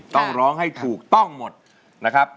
ต้องร้องให้ถูกต้องหมดนะครับ